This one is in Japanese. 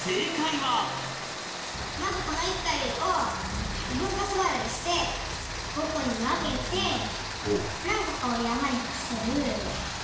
まずこの１隊を分割して５個に分けて何個かを山に伏せる。